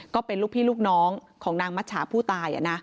ก็เป็นลูกพี่ลูกน้องของนางมัชชาผู้ตาย